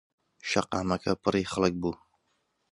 شەقاکەمە پڕی خەڵک بوو.